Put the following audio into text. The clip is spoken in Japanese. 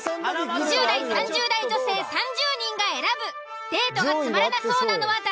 ２０代・３０代女性３０人が選ぶデートがつまらなそうなのは誰？